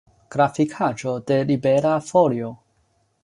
Grafikaĵo de Libera Folio.